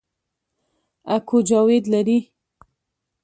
اکو جاوید لري